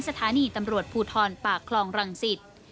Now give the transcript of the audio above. สถานีตำรวจภูทรปากคลองรังสิต